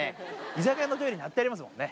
居酒屋のトイレに貼ってありますもんね。